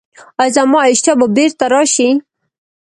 ایا زما اشتها به بیرته راشي؟